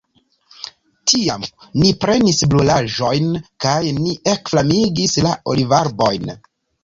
Tiam ni prenis brulaĵojn, kaj ni ekflamigis la olivarbojn.